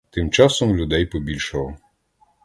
Тим часом людей побільшало.